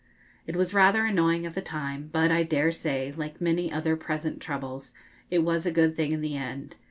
It was rather annoying at the time, but, I dare say, like many other present troubles, it was a good thing in the end.